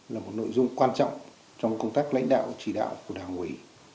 là một nội dung quan trọng trong công tác lãnh đạo chỉ đạo của đảng ủy